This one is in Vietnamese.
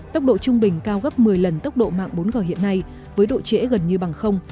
tốc độ trung bình cao gấp một mươi lần tốc độ mạng bốn g hiện nay với độ trễ gần như bằng